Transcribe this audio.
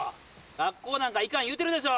学校なんか行かん言うてるでしょ。